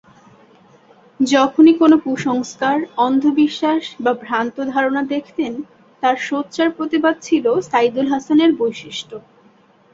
যখনই কোনো কুসংস্কার, অন্ধ বিশ্বাস বা ভ্রান্ত ধারণা দেখতেন তার সোচ্চার প্রতিবাদ ছিল সাইদুল হাসানের বৈশিষ্ট্য।